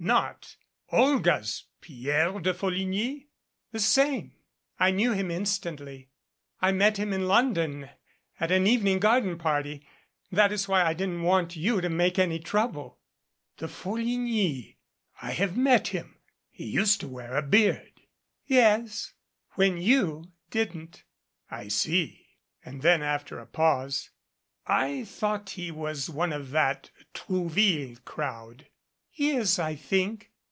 "Not Olga's Pierre de Folligny?" "The same. I knew him instantly. I met him in Lon don, at an evening garden party. That is why I didn't want you to make any trouble." "De Folligny! I have met him. He used to wear a beard." "Yes, when you didn't." "I see." And then after a pause. "I thought he was one of that Trouville crowd." "He is, I think.